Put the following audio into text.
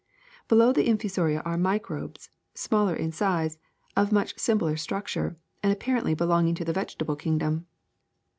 ^^ Below the infusoria are microbes, smaller in size, of much simpler structure, and apparently belonging to the vegetable kingdom.